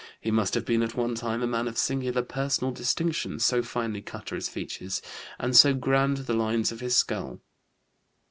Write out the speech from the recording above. He must have been at one time a man of singular personal distinction, so finely cut are his features, and so grand the lines of his skull."